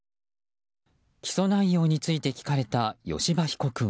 起訴内容について聞かれた吉羽被告は。